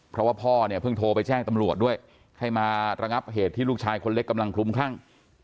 เพราะว่าพ่อเนี่ยเพิ่งโทรไปแจ้งตำรวจด้วยให้มาระงับเหตุที่ลูกชายคนเล็กกำลังคลุมคลั่ง